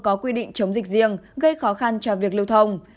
có quy định chống dịch riêng gây khó khăn cho việc lưu thông